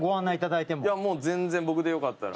いやもう全然僕でよかったら。